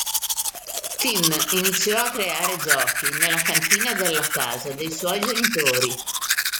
Tim iniziò a creare giochi nella cantina della casa dei suoi genitori.